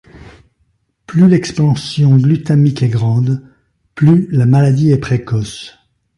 Plus l’expansion glutamique est grande, plus la maladie est précoce.